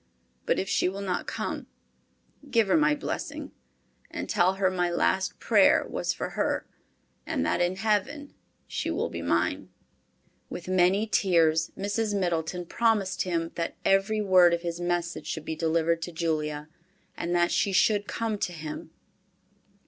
But if she will not come, give her my blessing, and tell her my last prayer was for her, and that in Heaven she will be mine." With many tears Mrs. Middleton promised him that every word of his message should be delivered to Julia, and that she should come to him.